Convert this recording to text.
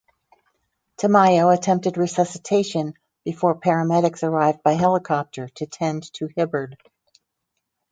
Tamayo attempted resuscitation before paramedics arrived by helicopter to tend to Hibberd.